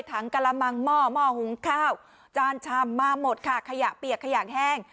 กระมังหม้อหม้อหุงข้าวจานชำมาหมดค่ะขยะเปียกขยะแห้ง